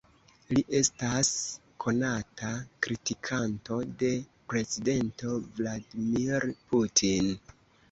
Li estas konata kritikanto de prezidento Vladimir Putin.